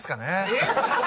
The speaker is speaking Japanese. えっ！？